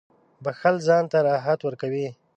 • بښل ځان ته راحت ورکوي.